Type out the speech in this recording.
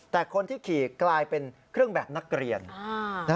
แต่คนที่ขี่กลายเป็นเครื่องแบบนักเรียน